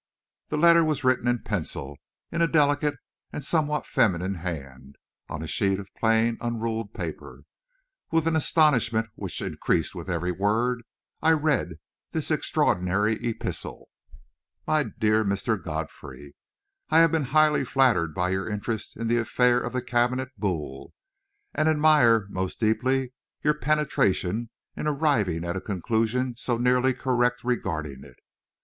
The letter was written in pencil, in a delicate and somewhat feminine hand, on a sheet of plain, unruled paper. With an astonishment which increased with every word, I read this extraordinary epistle: "My Dear Mr. Godfrey: "I have been highly flattered by your interest in the affaire of the cabinet Boule, and admire most deeply your penetration in arriving at a conclusion so nearly correct regarding it.